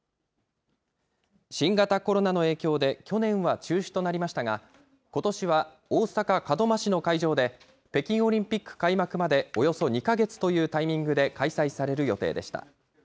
新型コロナの影響で去年は中止となりましたが、ことしは大阪・門真市の会場で北京オリンピック開幕までおよそ２か月というタイミングで開催される予定でした。